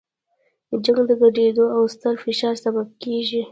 جنګ د ګډوډۍ او ستر فشار سبب کیږي.